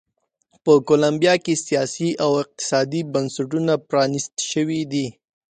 په کولمبیا کې سیاسي او اقتصادي بنسټونه پرانیست شوي دي.